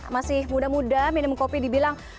masih muda muda minum kopi dibilang